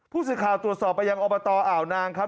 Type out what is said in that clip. ผู้สื่อข่าวตรวจสอบไปยังอบตอ่าวนางครับ